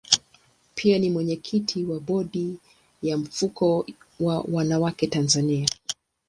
Pia ni mwenyekiti wa bodi ya mfuko wa wanawake Tanzania.